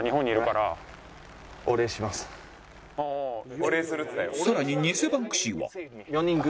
さらに偽バンクシーは